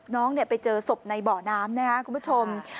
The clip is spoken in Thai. น้องไปเจอศพในเบาะน้ำนะครับคุณผู้ชม